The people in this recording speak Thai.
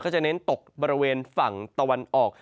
จะเน้นตกบริเวณฝั่งตะวันออก